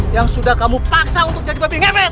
yang sudah kamu paksa untuk jadi babi ngebek